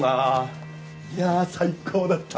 いやあ最高だった。